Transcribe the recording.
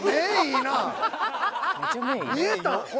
見えたん⁉